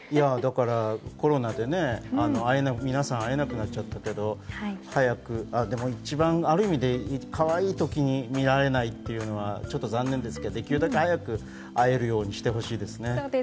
だからコロナでみなさん会えなくなっちゃったけど、でも、一番かわいい時に見られないという時には残念ですけれども、できるだけ早く会えるようにしてほしいですね。